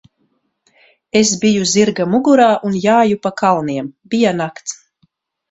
Es biju zirga mugurā un jāju pa kalniem. Bija nakts.